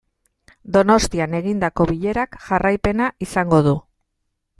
Donostian egindako bilerak jarraipena izango du.